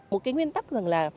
một cái nguyên tắc rằng là